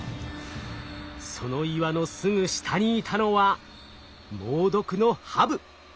その岩のすぐ下にいたのは猛毒のハブ！